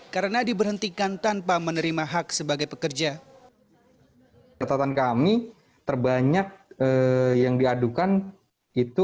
karena diberhentikan tanpa menerima hak sebagai pekerja ketatan kami terbanyak yang diadukan itu